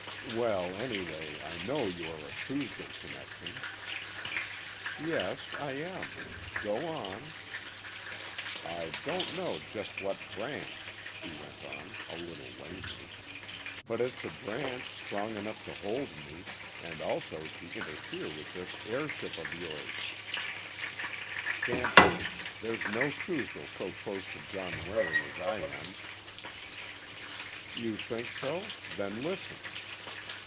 "Well, anyway, I know you are a Truesdell connection." "Yes, I am. Go on." "I don't know just what branch," he went on, a little lamely. "But it's a branch strong enough to hold me—and also to interfere with this heirship of yours." "Can't be. There's no Truesdell so close to John Waring as I am." "You think so? Then listen."